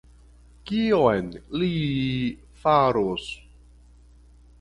Kion li faros?